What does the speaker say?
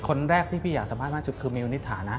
คนแรกที่พี่อยากสัมภาษณ์มากสุดคือมิวนิษฐานะ